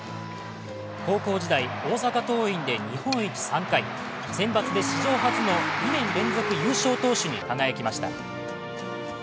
高校時代、大阪桐蔭で日本一３回、センバツで史上初の２年連続優勝投手に輝きました。